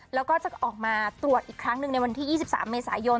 แล้วก็จะออกมาตรวจอีกครั้งหนึ่งในวันที่๒๓เมษายน